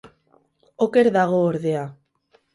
Oker dago, ordea.